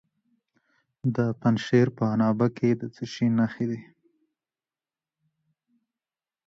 د پنجشیر په عنابه کې د څه شي نښې دي؟